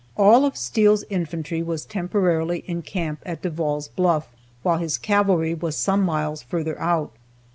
All of Steele's infantry was temporarily in camp at Devall's Bluff, while his cavalry was some miles further out.